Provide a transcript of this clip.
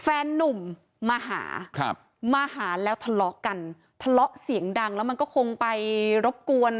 แฟนนุ่มมาหามาหาแล้วทะเลาะกันทะเลาะเสียงดังแล้วมันก็คงไปรบกวน